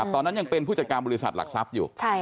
ตอนนั้นยังเป็นผู้จัดการบริษัทหลักทรัพย์อยู่